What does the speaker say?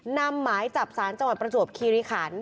หมายจับสารจังหวัดประจวบคีริขัน